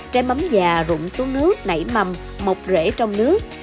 trái mắm già rụng xuống nước nảy mầm mọc rễ trong nước